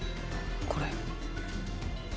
これ。